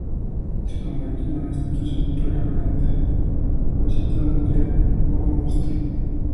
Se convirtió en una institución permanente, hoy situado en Great Ormond Street.